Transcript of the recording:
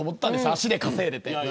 足で稼いでいて。